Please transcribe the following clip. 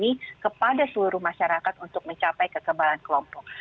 ini kepada seluruh masyarakat untuk mencapai kekebalan kelompok